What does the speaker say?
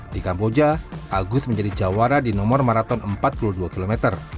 di kamboja agus menjadi jawara di nomor maraton empat puluh dua km